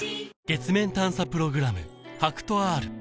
月面探査プログラム